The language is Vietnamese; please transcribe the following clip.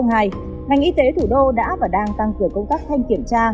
ngành y tế thủ đô đã và đang tăng cường công tác thanh kiểm tra